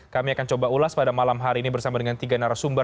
kami akan coba ulas pada malam hari ini bersama dengan tiga narasumber